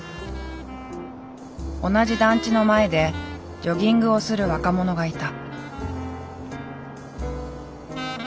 同じ団地の前でジョギングをする若者がいた。